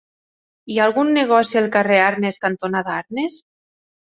Hi ha algun negoci al carrer Arnes cantonada Arnes?